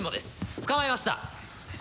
捕まえましたこ